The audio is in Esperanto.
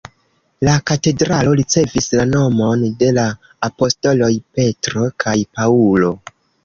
La katedralo ricevis la nomon de la apostoloj Petro kaj Paŭlo.